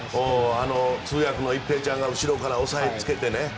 通訳の一平ちゃんが後ろから押さえつけてね。